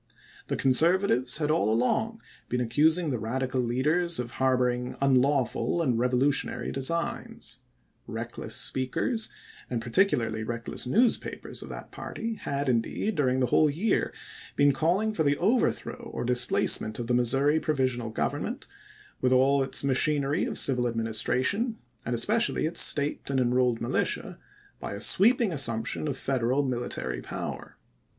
The Conservatives had all along been accusing the Radical leaders of harboring unlawful and revolutionary designs. Reckless speakers, and particularly reckless newspapers of that party, had indeed, during the whole year, been calling for the overthrow or displacement of the Missouri Provi sional Grovernment, with all its machinery of Q\y\\ administration, and especially its State and En rolled Militia, by a sweeping assumj)tion of Federal 224 ABRAHAM LINCOLN Scliofleld to Halleck, Sept. 20, 1863. W. R. Vol. XXII., Part II., pp. 546, 547. military power.